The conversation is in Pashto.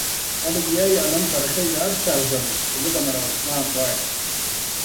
حکومت د هغو داورانو له لوري اداره کېده